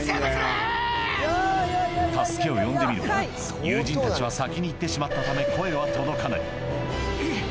助けを呼んでみるが友人たちは先に行ってしまったためクソ！